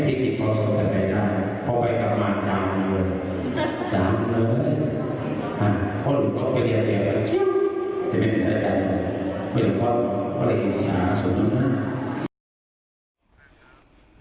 คนก็จะเรียกว่าจะเป็นพระอาจารย์เป็นคนก็เลยชาสมมาก